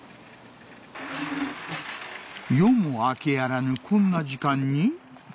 夜も明けやらぬこんな時間に？